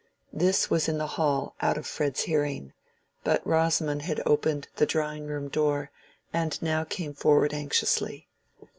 This was in the hall out of Fred's hearing, but Rosamond had opened the drawing room door, and now came forward anxiously.